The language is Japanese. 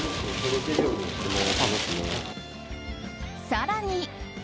更に。